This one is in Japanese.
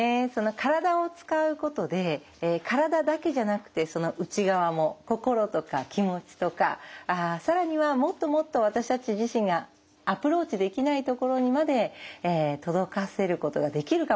体を使うことで体だけじゃなくてその内側も心とか気持ちとか更にはもっともっと私たち自身がアプローチできないところにまで届かせることができるかもしれない。